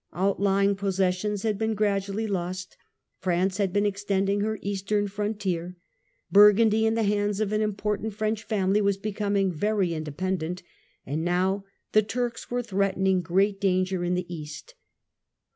Outlying possessions had been gradually lost. France had been extending her Eastern frontier ; Burgundy, in the hands of an impor tant French family, was becoming very independent ; and now the Turks were threatening great danger in the East.